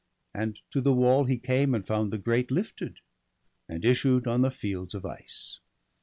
And to the wall he came, and found the grate Lifted, and issued on the fields of ice.